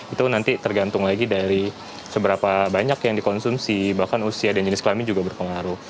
itu nanti tergantung lagi dari seberapa banyak yang dikonsumsi bahkan usia dan jenis kelamin juga berpengaruh